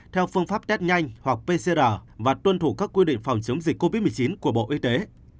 theo phương pháp test nhanh hoặc pcr và tuân thủ các quy định phòng chống dịch covid một mươi chín của bộ y tế